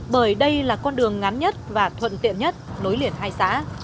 bởi đây là con đường ngắn nhất và thuận tiện nhất nối liền hai xã